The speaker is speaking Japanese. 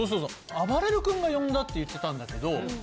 あばれる君が呼んだって言ってたんだけど。